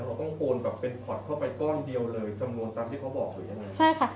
เราต้องโกนแบบเป็นขอดเข้าไปก้อนเดียวเลยจำนวนตามที่เขาบอกอยู่อย่างนั้น